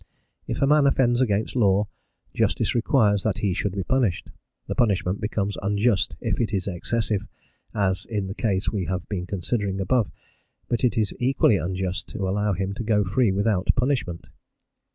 If a man offends against law, justice requires that he should be punished: the punishment becomes unjust if it is excessive, as in the case we have been considering above; but it is equally unjust to allow him to go free without punishment.